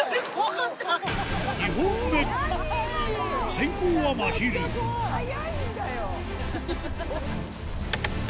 先攻はまひる速いんだよ！